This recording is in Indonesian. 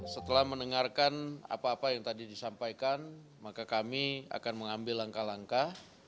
setelah mendengarkan apa apa yang tadi disampaikan maka kami akan mengambil langkah langkah